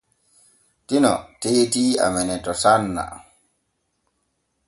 Tino teeti amene to sanna.